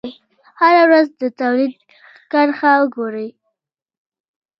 هره ورځ د تولید کرښه وګورئ.